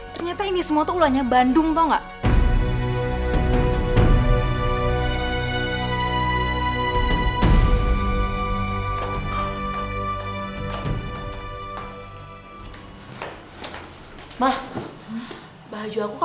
ternyata ini semua tuh ulahnya bandung tuh gak